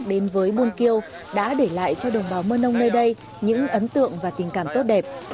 đến với buôn kiêu đã để lại cho đồng bào mơ ông nơi đây những ấn tượng và tình cảm tốt đẹp